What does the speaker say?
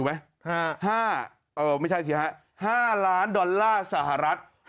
จะมอบเงินให้๕ล้านดอลลาร์สหรัฐ